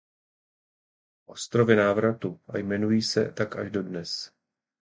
Ostrovy návratu a jmenují se tak až dodnes.